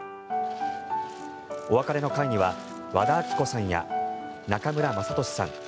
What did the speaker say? お別れの会には和田アキ子さんや中村雅俊さん